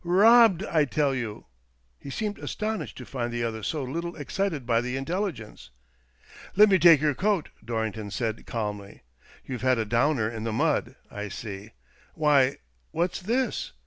Errobbed I tell you !" He seemed astonished to find the other so little excited by the intelligence. "Let me take your coat," Dorrington said, calmly. "You've had a downer in the mud, I see. Why, what's this?